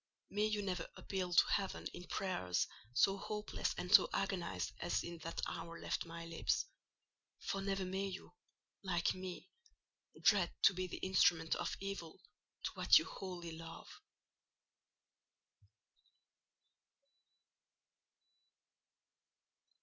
May you never appeal to Heaven in prayers so hopeless and so agonised as in that hour left my lips; for never may you, like me, dread to be the instrument of evil to what you wholly love.